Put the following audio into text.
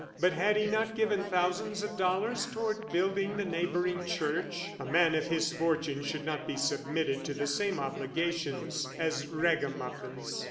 But had he not given thousands of dollars toward building the neighboring church? A man of his fortune should not be submitted to the same obligations as ragamuffins!